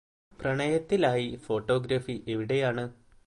പ്രണയത്തിലായി photography എവിടെയാണ്